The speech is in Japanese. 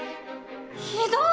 ひひどい！